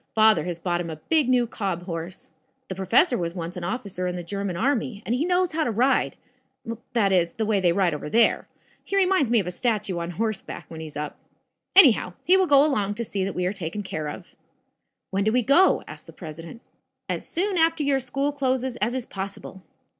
Father has bought him a big new cob horse. The professor was once an officer in the German army, and he knows how to ride that is, the way they ride over there. He reminds me of a statue on horseback, when he's up. Anyhow, he will go along to see that we are taken care of." "When do we go?" asked the president. "As soon after your school closes as is possible."